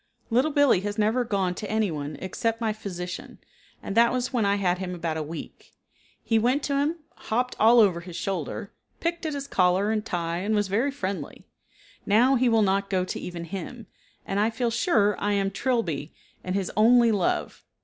Little Billee has never gone to any one except my physician, and that was when I had had him about a week. He went to him, hopped all over his shoulder, picked at his collar and tie and was very friendly. Now he will not go to even him, and I feel sure I am Trilby and his only love.